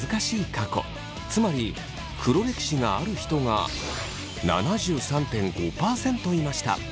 過去つまり黒歴史がある人が７３．５％いました。